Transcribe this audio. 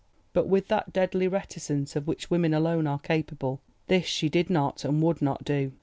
But, with that deadly reticence of which women alone are capable, this she did not and would not do.